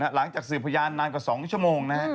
หลังจากสื่อพยานนานกว่า๒ชมนะฮะ